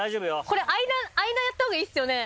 これ間やったほうがいいっすよね？